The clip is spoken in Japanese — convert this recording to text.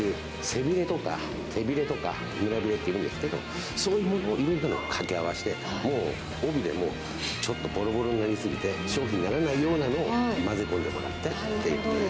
背びれとか手びれとか胸びれっているんですけれども、そういうものをいろいろ掛け合わせて、もう尾びれ、もうぼろぼろになりすぎて、商品にならないようなのを混ぜ込んでもらって。